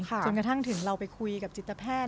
จนกระทั่งถึงเราไปคุยกับจิตแพทย์